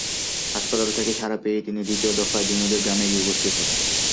হাসপাতাল থেকে ছাড়া পেয়েই তিনি দ্বিতীয় দফায় দিনুদের গ্রামে গিয়ে উপস্থিত হলেন।